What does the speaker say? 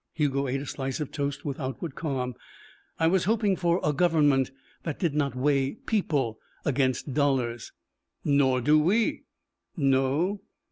Hugo ate a slice of toast with outward calm. "I was hoping for a government that did not weigh people against dollars " "Nor do we!" "No?"